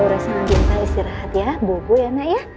udah selesai sih rahat ya bubu ya anak